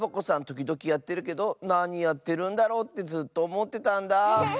ときどきやってるけどなにやってるんだろうってずっとおもってたんだ。